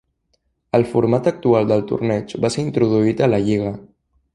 El format actual del torneig va ser introduït a la lliga.